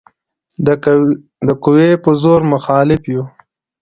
د قوې په زور مخالف یو.